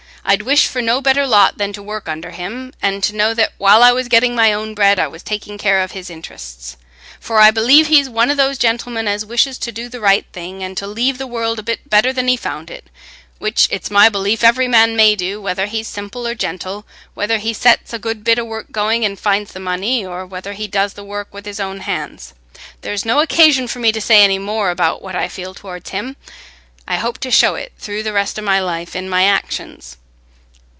I'd wish for no better lot than to work under him, and to know that while I was getting my own bread I was taking care of his int'rests. For I believe he's one o' those gentlemen as wishes to do the right thing, and to leave the world a bit better than he found it, which it's my belief every man may do, whether he's gentle or simple, whether he sets a good bit o' work going and finds the money, or whether he does the work with his own hands. There's no occasion for me to say any more about what I feel towards him: I hope to show it through the rest o' my life in my actions."